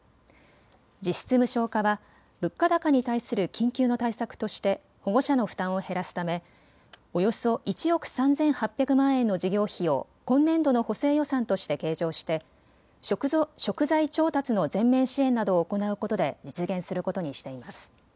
実質無償化は物価高に対する緊急の対策として保護者の負担を減らすためおよそ１億３８００万円の事業費を今年度の補正予算として計上して食材調達の全面支援などを行うことで実現することにしています。